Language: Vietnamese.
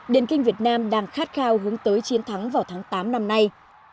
điền kinh việt nam đang khát khao hướng tới chiến thắng vào tháng tám năm nay